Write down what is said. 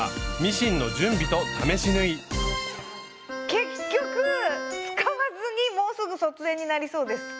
結局使わずにもうすぐ卒園になりそうです。